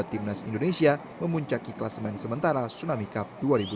timnas indonesia memuncaki kelas main sementara tsunami cup dua ribu dua puluh